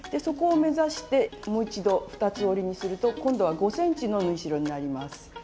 そこを目指してもう一度二つ折りにすると今度は５ｃｍの縫い代になります。